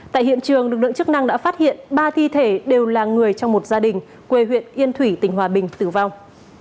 tại hiện trường lực lượng chức năng đã phát hiện ba thi thể đều là người trong một gia đình quê huyện yên thủy tỉnh hòa bình tử vong